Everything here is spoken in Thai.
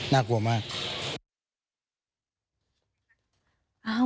น่ากลัวมาก